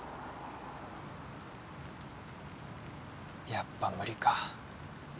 やっぱ無理か。